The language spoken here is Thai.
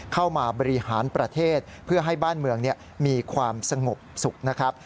เข้ามาบริหารประเทศเพื่อให้บ้านเมืองมีความสงบสุขนะครับ